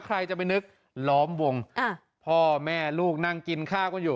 ใครจะไปนึกล้อมวงพ่อแม่ลูกนั่งกินข้าวกันอยู่